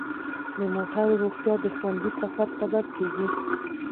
د موټرو روغتیا د خوندي سفر سبب کیږي.